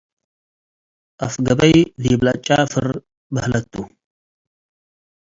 አፍ ገበይ ዲበ ለአጫፍር በህለት ተ።